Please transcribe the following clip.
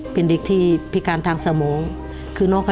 เป็นเด็กที่พิการทางสมอง